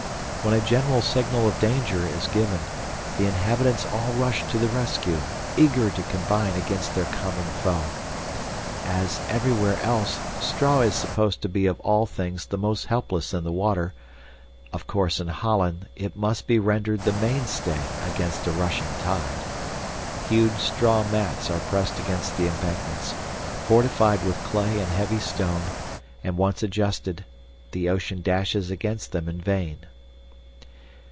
When a general signal of danger is given, the inhabitants all rush to the rescue, eager to combine against their common foe. As, everywhere else, straw is supposed to be of all things the most helpless in the water, of course, in Holland, it must be rendered the mainstay against a rushing tide. Huge straw mats are pressed against the embankments, fortified with clay and heavy stone, and once adjusted, the ocean dashes against them in vain.